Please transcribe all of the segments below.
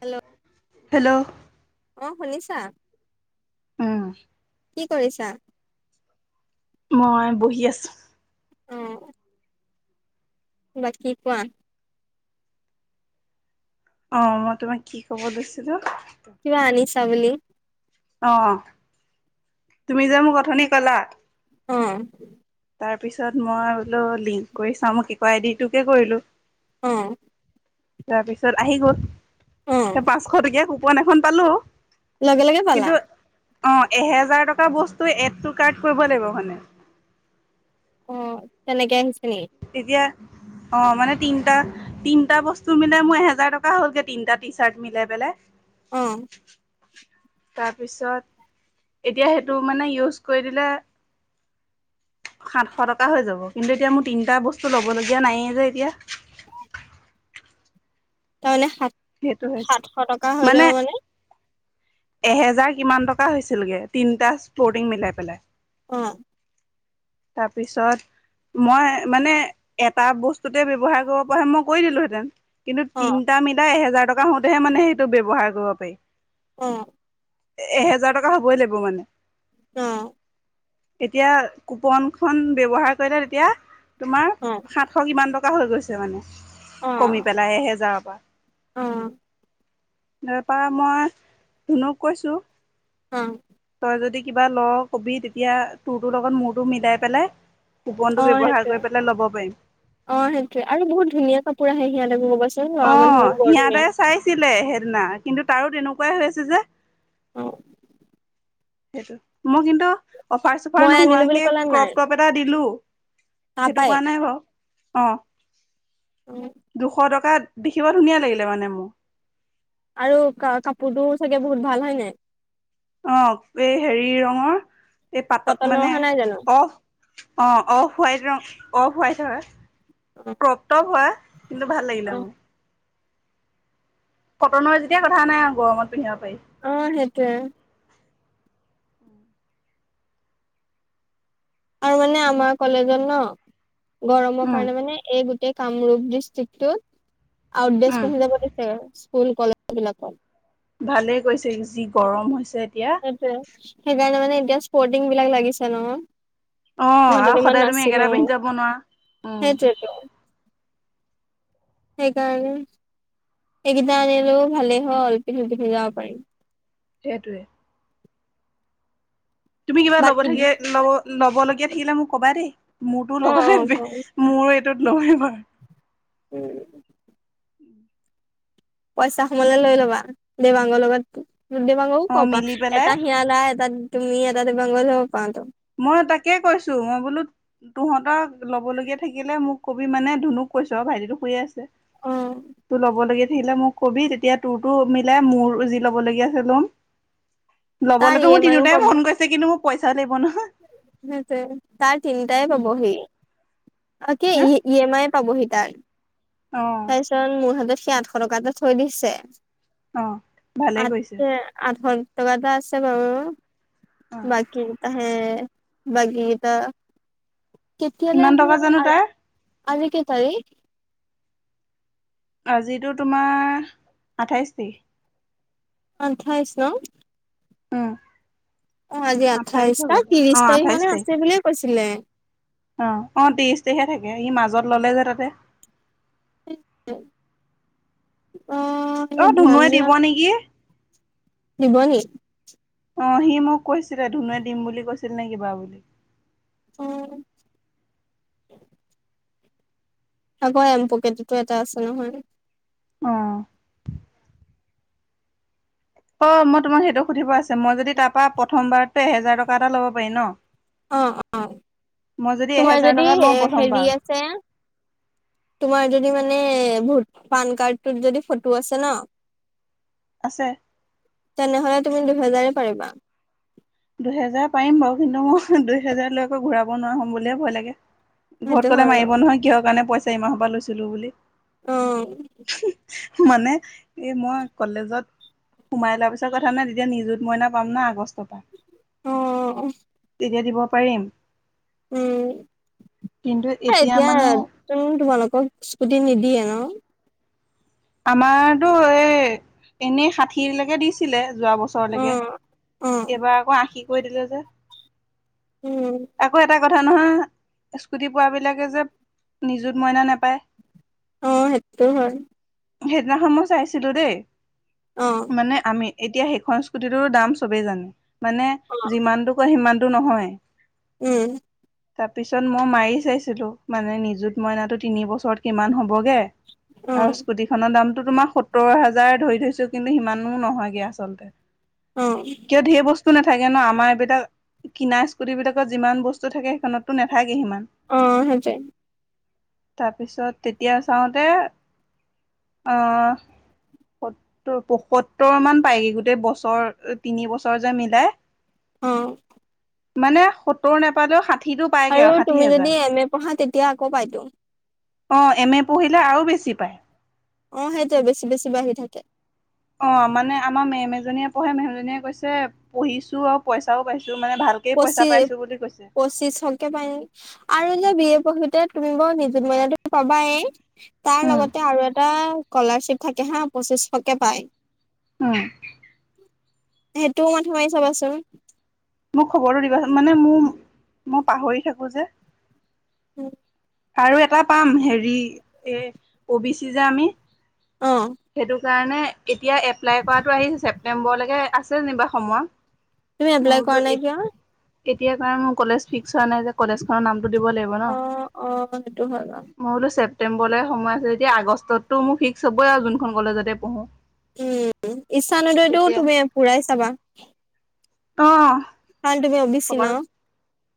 Hello hello অ শুনিছা উম কি কৰিছা মই বহি আছো অ বাকী কোৱা অ মই তোমাক কি কব লৈছিলো কিবা আনি চাবল অ তুমি যে মোক অথনি কলা অ তাৰ পিছত মই বোলো লিংক কৰি চাওঁ ম শিক আই ডিটোকে কৰিলো অ তাৰ পিছত আহি গল অ স পাঁচশ টকীয়া কুপন এখন পালো লগে লগে পালা কিন্তু অ এহেজাৰ টকা বস্তু এডটো কাৰ্ড কৰিব লাগিব মানে অ চনোগে এনছিনি তেতিয়া অ মানে তিনিটা তিনিটা বস্তু মিলে মোৰ এহেজাৰ টকা হ'লগে তিনিটা টি চাৰ্ট মিলাই পেললে অঁ [unintelligible] তাৰপিছত এতিয়া সেইটো মানে ইউজ কৰি দিলে সাতশ টকা হৈ যাব কিন্তু এতিয়া মোৰ তিনিটা বস্তু ল'বলগীয়া নায়েই যে এতিয়া তাৰ মমানে সেইটো সাত হৈছে সাতশ টকা হৈ যাব মানে এহেজাৰ কিমান টকা হৈছিলগে তিনিটা ফ্লটিং মিলাই পেলাই অ তাৰপিছত মই মানে এটা বস্তুতে ব্য্ৱহাৰ কৰিব পৰা হে মই কৰি দিলোহেঁতেন কিন্তু অ তিনিটা মিলাই এহেজাৰ টকা হওঁতেহে মানে সেইটো ব্যৱহাৰ কৰিব পাৰি অঁ এহেজাৰ টকা হ'বই লাগিব মানে অ [unintelligible] এতিয়া কুপনখনন ব্য্ৱহাৰ কৰিলে তেতিয়া তোমাৰ অ সাত থ কিমান টকা হৈ গৈছে মানে অ কমি পেলাই এহেজাৰৰ পৰা অ তাৰপৰা মই ধুনুক কৈছোঁ অ তই যদি কিবা ল কবি তেতিয়া তোৰ তো লগত মোৰতো মিলাই পেলাই সোপোনটো অ ব্যৱহাৰ সেইটোৱে কৰি পেলাই ল'ব পাৰিম অ সেইটোৱে আৰু বহুত ধুনীয়া কাপোৰ আহে সিয় লাগিব কবচোন অ লৰ মানুহৰ বৰ সিহঁতে ধুনীয়া চাইছিলে সেইদিনা কিন্তু তাৰো তেনেকুৱাই হৈ আছে যে অঁ [unintelligible] সেইটো মই কিন্তু অফাৰ চফাৰ মই আনিলো বুলি নোহোৱাকে ক'লা নাই ক্ৰপ ্ৰপ ক এটা দিলো সেইটো তাৰপাই কোৱা নাই বাৰু অ অ দুশ টকা দেখিব ধুনীয়া লাগিলে মানে মোক। আৰু কা-কাপোৰটো চাগে বহুত ভাল হয় নাই? অ' এই হেৰি ৰঙৰ এই পাতত কটনৰ মানে অহা নাই জানো অ' অ' অফ হোৱাইট ৰং, অফ হোৱাইট হয়। অ প্ৰপ্ত হয় কিন্তু ভাল অ লাগিলে মোৰ। কটনৰ যেতিয়া কথা নাই, গৰমত পিন্ধিব পাৰি। অ' সেইটোৱে। আৰু মানে আমাৰ কলেজত ন' গৰমৰ উম কাৰণে মানে এই কামৰূপ ডিষ্ট্ৰিক্টটোত আউটড ড্ৰেছ উম পিন্ধি যাব দিছে স্কুল কলেজবিলাকত। ভালেই কৰিছে, যি গৰম হৈছে এতিয়া। তাকে। সেইকাৰণে মানে এতিয়া স্পৰ্টিংবিলাক লাগিছে ন'। অ' মই আৰু দুদিনমান সদায় তুমি একেটা নাছিলোঁ, পিন্ধি যাব নোৱাৰা। উম। সেইটোয়েতো। সেইকাৰণে সেইকেইটা আনিলেও ভালেই হ'ল পিন্ধি যাব পাৰিম সেইটোৱে। তুমি কিবা ল'ব বাকী থাকে ল'ব ল'বলগীয়া থাকিলে মোক ক'বা দেই, মোৰতো অ ল'বা অ মোৰো এইটোত নহয় বাৰ উম। পইচা সমালে লৈ ল'বা, দেবাংগৰ লগত। দিবংক অ' ক'ৰপা, মিলি পেলাই এটা হিয়লা, এটা তুমি এটা দেবংক ল'ব পাৰাতো। মই তাকে কৈছোঁ, মই বোলো তহঁতক ল'বলগীয়া থাকিলে মোক কবি মানে ধুনুক কৈছোঁ আৰু ভাইটিটো শুইয়ে আছে। অ তোৰ ল'ব লাগে আহিলে মোক কবি তেতিয়া তোৰতো মিলাই মোৰ জি ল'বলগীয়া আছে ল'ম। তাৰ ল'বলেতো ই মোৰ এম আইও তিনোটাই পাব মন গৈছে কিন্তু মোক পইচাও লাগিব নহয়। তাকে, তাৰ তিনিটাই ল'বহি। অ' কি হা ই ই এম আই পাবহি তাৰ? অ'। তাৰিছত মোৰ হাতত সি আঠশ টকা এটা থৈ দিছে। অ ভালে কৰিছে আছে আৰু ধৰ ত' কথা আছে বাৰু অ বাকি তাহে বাকি কেইটা? কেতিয়ালে কিমান টকা জানো আহিব, তাৰ আজি কেই তাৰিখ? আজিতো তোমাৰ আঠাইছ তাৰিখ। আঠাইছ ন'? উম। অ' আজি আঠাইশ আঠাইছ, হ'বলা ত্ৰিশ অ তাৰিখ আঠাইশ মানে আছে বুলিয়ে কৈছিলে। অ', অ' ত্ৰিশ তাৰিখে থাকে, ই মাজত ললে যে তাতে। অ' এই অ' ধ্যান ধুনুুৱে দিয়া দিব নেকি। দিব নি? অ' সি মোক কৈছিলে, ধুনুৱে দিম বুলি কৈছিল নে কিবা বুলি। অ'। আকৌ এম পকেটতো এটা আছে নহয়। অ'। অ' মই তোমাক সেইটো সুধিব আছে, মই যদি তাৰ পৰা প্ৰথমবাৰো এহেজাৰ টকা এটা ল'ব পাৰি ন'? অ', মই অ'। তোমাৰ এহেজাৰ যদি টকা লওঁ হেৰি প্ৰথমবাৰ আছে তোমাৰ যদি মানে ভো পান কাৰ্ডটোত যদি ফটো আছে ন' আছে। তেনেহ'লে তুমি দুহেজাৰে পাৰিবা। দুহেজাৰ পাৰিম বাৰু কিন্তু মই দুইহেজাৰ লৈ আকৌ ঘূৰাব নোৱাৰিম বুলিয়ে ভয় লাগে। সেইটো ঘৰত ক'লে হয় মাৰিব বাৰু নহয় কিহৰ কাৰণে পইচা ইমাহৰ পৰা লৈছিলো বুলি। অ'। মানে এই মই কলেজত। সোমাই লোৱাৰ পিছত কথা নাই তেতিয়া নিজুত মইনা পাম না আগষ্টৰ পৰা। অ'। তেতিয়া দিব পাৰিম। উম, কিন্তু এতিয়া। মানে তোমালোকক স্কুটি নিদিয়ে ন? আমাৰতো এ এনেই ষাঠিলৈকে দিছে। ছিলে যোৱা অ বছৰলৈকে অ এইবাৰ আকৌ আঁশী কৈ দিলে যে। উম। আকৌ এটা কথা নহয় স্কুটি পোৱাবিলাকে যে নিজুত মইনা নাপায়। অ', সেইটো হয়। সেইদিনাখন মই চাইছিলোঁ দেই অ মানে আমি এতিয়া সেইখন। স্কুটিটোৰ দাম চবেই জানে মানে অ যিমানটো কয় সিমানটো নহয়। উম। তাৰপিছত মই মাৰি চাইছিলোঁ মানে নিজুত মইনাতো তিনি বছৰ। কিমান হ'বগে অ আৰু স্কুটিখনৰ দামটো তোমাৰ সত সোতৰ হাজাৰ ধৰি থৈছোঁ কিন্তু সিমানো নহয়গৈ আচলতে। অ'। কিয় ঢেৰ বস্তু নাথাকে ন, আমাৰ এইবিলাক কিনা স্কুটি বিলাক। ত যিমান বস্তু থাকে সেইখনতো নাথাকে সিমান। অ', সেইটোৱেই। তাৰপিছত তেতিয়া চাওঁতে আহ। সত্তৰ পয়সত্তৰ মান পায়গৈ, গোটেই বছৰ তিনি বছৰ যে মিলাই। অ'। মানে সত্তৰ নাপালেও সাত আৰু তুমি যদি এম এ পঢ়া তেতিয়া আকৌ পাই টো। অ', এম এ পঢ়িলে আৰু বেছি পায়। অ', সেইটোয়ে বেছি, বেছি বাঢ়ি থাকে। অ', মানে আমাৰ মেম এজনীয়ে পঢ়ে মেহমজনীয়ে কৈছে পঢ়িছো আৰু পইচাও পাইছো মানে ভাল। কেই পইচা পাইছো বুলি কৈছে। পঁচিছ তে পাই আৰু যে বি এ পঢ়োতে তুমি বৰ নিজু মইনাটো পাবায়েই। তাৰ উম লগতে আৰু এটা স্কলাৰশ্বিপ থাকে হা পঁচিছশকে পায়। অ'। সেইটোও মথা মাৰি চাবাচোন। মোক খবৰটো দিবাচ মানে মোৰ মই পাহৰি থাকো যে। উম। আৰু এটা পাম হেৰি এ অ বি চি যে আমি। অ'। সেইটো কাৰণে এতিয়া এপ্লাই কৰাটো আহি ছেপটেম্বৰলৈকে আছে যেনিবা সময়। তুমি মই এপ্লাই কৰা বোলো নাই কিয়? এতিয়া কাৰণ মোৰ কলেজ ফিক্স হোৱা নাই যে কলেজ খনৰ নামটো দিব লাগিব ন। অ অ সেইটো হয় বাৰু মই বোলো ছেপ্তেম্বৰলৈ সময় আছে যেতিয়া আগষ্টততো মোৰ ফিক্স হ'বই আৰু যোনখন কলেজতে পঢ়ো। উম, ইচ্ছা নদয়টোও তেতিয়া তুমি পুৰাই চাবা। অ'। কাৰণ তুমি অ বি ছি ক'বাত ন।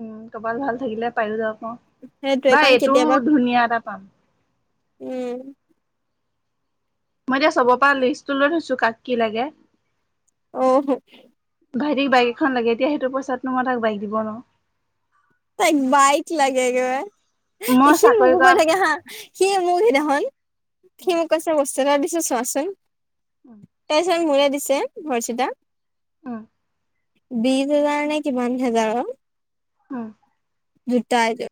উম, কপাল ভাল থাকিলে পায়ো যাওঁ পাওঁ সেইটোৱে বা কাৰণ এইটোও কেতিয়াবা ধুনীয়া এটা পাম। উম। মই এতিয়া চবৰ পৰা লিষ্টটো লৈ থৈছো কাক কি লাগে। অহ, ভাইটিক বাইক এখন লাগে এতিয়া সেইটো পইচাতো মই তাক বাইক দিব নোৱাৰো। তাইক বাইক লাগে মই একেবাৰে, সি চাকৰি মোকো কৰা গৈ থাকে হা সি মোৰ সিদিনাখনন সি উম, মোক কৈছে বস্তু দিছে চোৱাচোন, উম, তাৰপিছত মোৰে দিছে ভইচ এটা। উম, বিশ হেজাৰ নে কিমান হেজাৰৰ, উম, জোতা এযোৰ।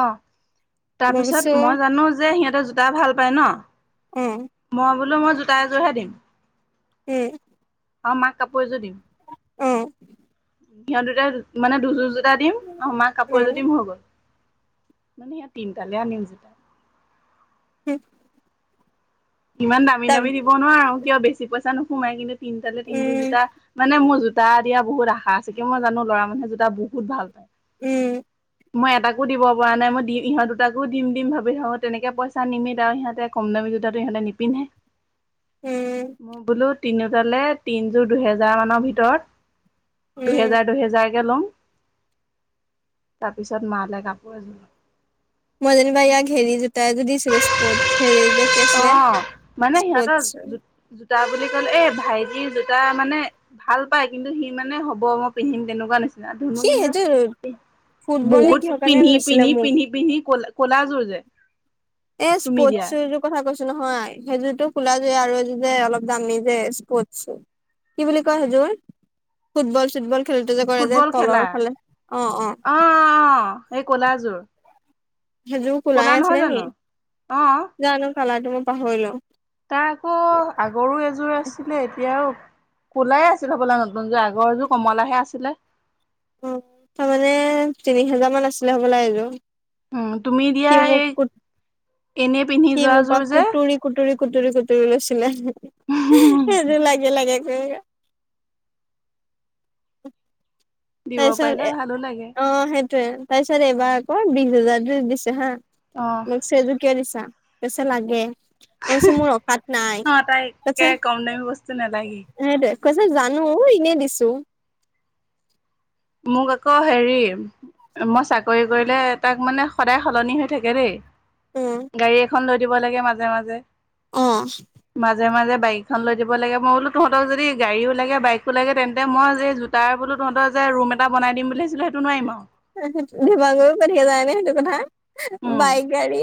অ' মই কৈছো তাৰপিছত মই জানো যে সিহঁতেৰ জোতা ভাল পায় ন। অ মই বোলো মই জোতা এযোৰহে দিম। উম। আৰু মাক কাপোৰে এযোৰ দিম। অ সিহঁত দুটা মানে দুযোৰযোতা দিম আৰু মাক কাপোৰ এযোৰ উম হৈ গ'ল। [unintelligible] হম। ইমান দামী দামী দিব নোৱাৰো কিয় বেছি পইচা নোসোমাই কিন্তু তিনিতালে তিন যুটা উম জোতা মানে মোৰ জোতা দিয়া বহুত আশা আছে কি মই জানো লৰা মানুহে জোতা বহুত ভাল পায়। উম। মই এটাকো দিব পৰা নাই মই দিম ইহঁত দুটাকো দিম দিম ভাবি থাকো তেনেকে পইচা নিমিত আৰু সিহঁতে কমদামী জোতাো ইহঁতে নিপিন্ধে। উম মোৰ বোলোত তিনিটাললে তিনযোৰ দুহেজাৰ মানৰ ভিতৰত উম দুহেজাৰ দুহেজাৰ ল তাৰপিছত মালে কাপোৰ এযোৰ। মই যেনিবা ইয়াক হেৰি জোতা এযোৰ যদিছিলো স্পৰ্টছ হেৰি যে কি আছিলে অ', মানে সিহঁতৰ স্পৰ্টচ জো জোতা বুলি কলো এ ভাইটিৰ জোতা মানে ভাল পাই কিন্তু সি মানে হ'ব মই পিন্ধিম তেনেকুৱা নিচি দন সি কনে সেইযোৰ ফুটবল নে বহত কিহৰ কাৰণে পিনি লৈছিলে পিনি মোক পিনি পিনি কল ক'লাযোৰ যে এ তুমি দিয়া স্পৰ্টছ কথা কৈছোঁ নহয় সেইযোৰতো খোলা য আৰু এইযোৰ যে অলপ দামী যে স্পট কি বুলি কয় হযোৰ ফুটবল চুটবল খেলটো যে কৰে যে ফুটবল খেলা তলৰ ফালে অ', অ',। অ', অ', অ' এই কলাযোৰ। সেযোৰোৰ কোলাই কলা নহয় আছিলে নি? জানো অ জানো কালাটো মই পাহৰিলো। তাৰ আকৌ আ গৰু এযোৰ আছিলে এতিয়া আৰু ক'লাই আছিলে হ'বলা নতুনযোৰ আগৰ এযোৰ কমলাহে আছিলে। অঁ', তাৰমানে তিনি হেজাৰমান আছিলে হ'ব লয এইযোৰ। উম, তুমি সি দিয়া এই মোক এনে পিন্ধি সি মোৰ পৰা যোৱাযোৰ যে, কুটুৰি কুটুৰি কুটুৰি কুটুৰি লৈছিলে সেইযোৰ লাগে লাগে কৰি [inaudible] দিব তাৰপিছত পাৰিলে এ ভালো লাগে অ', সেইটয়ে তাৰপিছত এইবাৰ আকৌ বিশ হোজাৰত দিছে হা। অ মই কৈছোঁ এইযোৰ কিয় দিছা? কৈছে লাগে। কচোন মোৰ অকাত নাই অ তাইক একে তছে কম দামী বস্তু নালাগেই সেইটো কৈছ জানো অ এনে দিছোঁ। মোক আকৌ হেৰি মই চাকৰি কৰিলে তাক মানে সদায় সলনি হৈ থাকে দেই, উম গাড়ী এখন লৈ দিব লাগে মাজে মাজে। অ', মাজে মাজে বাইকখন লৈ দিব লাগে মই বোলো তহতক যদি গাড়ীও লাগে বাইকো লাগে তেন্তে মই যে তাৰ বোলো তহঁত যে ৰুম এটা বনাই দি বুলি ভাবিছিলো সেইটো নোৱাৰিম আৰু। টো ধিমাাগুও পাঠিয়া যায় নে সেইটো কথা। উম বাইক গাড়ী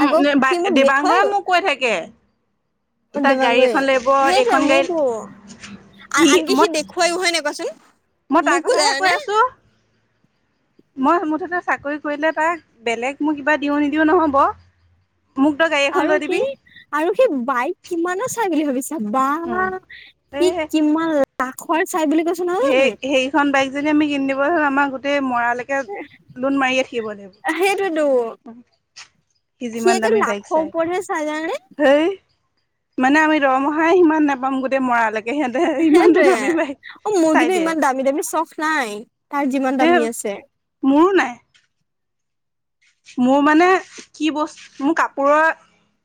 উম আকৌ সি মোক দেখুৱাই দেবাংগই মোক কৈ থাকে তাৰ গাড়ী ডিমাগুৰি এখন লাগিব সেইটোৱে এইখন গাড়ীত মোকো সি আনকি মই দেখুৱাইও হয় নাই কোৱাচোন মই তাৰ মোকো কথাহে জানানে কৈ আছো। মই মুঠতে চাকৰি কৰিলে তাক বেলেগ মোক কিবা দিওঁ নিদিও নহ'ব মোক তই গাড়ী এখন আৰু লৈ দিবি সেই আৰু সেই বাইক কিমানৰ চাই বুলি ভাবিছ বা উম এ সি কিমান লাখৰ চাই বুলি কৈছ সেই সেইখন বাইক যদি আমি কিন দিব হ আমাৰ গোটেই মৰালৈকে লোন মাৰিয় থাকিব লাগিব। সেইটোতো সি যিমান দামি বাইক লাখৰ চাই ওপৰতহে চাই জানানে হেই মানে আমি দৰমহাই সিমান নাপাম গোটেই মৰালেকে। সেইটোৱে অ', মোৰ চাই কিন্তু দিয়ে ইমান দামী দামী চখ নাই তাৰ যিমান সেই দামী আছে। মোৰো নাই। মোৰ মানে কি বস্তু মোৰ কাপোৰৰ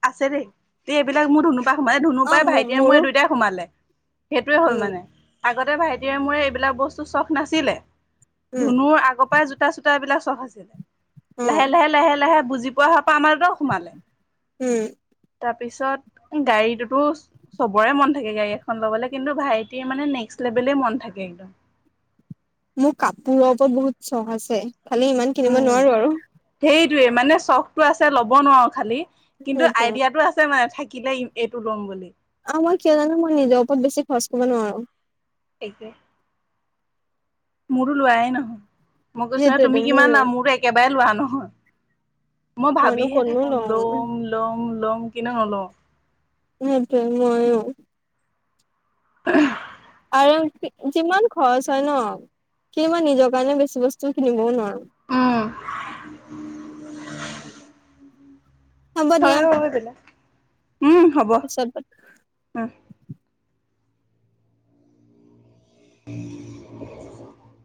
আছে দেই তে এইবিলাক মোৰ ধনু সোমালে ধুনু অ পাই মোৰ ভাইটিয়াৰ মূৰে মোৰো দুয়োটাই সোমালে সেইটোয়ে হ'ল উম মানে। আগতে ভাইটিৰে মোৰে এইবিলাক বস্তু চখ নাছিলে। উম ধুনুৰ আগৰ পৰাই চূতা চূতাবিলাক চখ আছিলে লাহে উম লাহে লাহে লাহে বুজি পোৱা হোৱাৰ পৰা আমাৰত সোমালে। উম। তাৰ পিছত গাড়ীটোতো চবৰে মন থাকে গাড়ী এখন ল'বলৈ কিন্তু ভাইটিৰ মানে নেক্সট লেভেলেই মন থাকে একদম। মোৰ কাপোৰৰ পৰা বহুত চখ আছে খালি ইমান কিনিব নোৱাৰো আৰু। হেৰিটোৱে মানে চখটো আছে ল'ব নোৱাৰো খালি। কিন্তু সেইটোৱে আইডিয়াটো আছে মানে থাকিলে এইটো ল'ম বুলি। অ', মই কিয় জানো মই নিজৰ ওপৰত বেছি খৰচ কৰিব নোৱাৰো। সেইটোৱে। মোৰো লোৱাই নহয় মই কৈছো ন সেইটোৱেতো তুমি কিমান মোৰো লোৱা মোৰ একেবাৰে লোৱা নহয়। মই মইনো ভাবিহে কতনো থাকো লম লম লম কিন্তু নলওঁ। সেইটোৱে ময়ো। [inaudible] কাৰ যিমান খৰচ হয় ন সি মই নিজৰ কাৰণে বেছি বস্তু কিনিবও নোৱাৰো। উম। হ'ব দিয়া হয় উম হ'ব। [inaudible] উম। [inaudible]